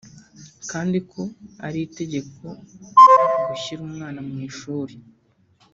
kandi ko ari itegeko gushyira umwana mu ishuri